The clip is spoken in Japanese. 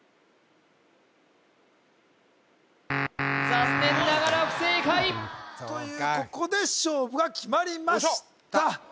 残念ながら不正解というここで勝負が決まりました